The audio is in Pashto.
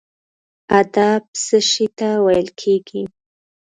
ادب څه شي ته ویل کیږي؟